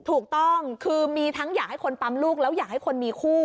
ถูกต้องคือมีทั้งอยากให้คนปั๊มลูกแล้วอยากให้คนมีคู่